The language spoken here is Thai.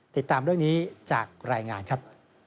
ติดตามเรื่องนี้จากรายงานครับ